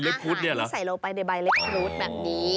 อยากกินอาหารที่ใส่โลปป้ายในใบเล็บครุฏแบบนี้